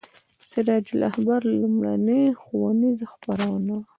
سراج الاخبار لومړنۍ ښوونیزه خپرونه وه.